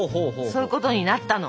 そういうことになったの。